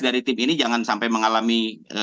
dari tim ini jangan sampai mengalami